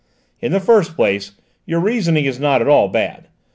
"In the first place your reasoning is not at all bad.